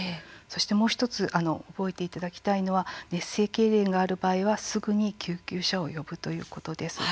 そしてもう１つ覚えていただきたいのは熱性けいれんがある場合はすぐに救急車を呼ぶということです。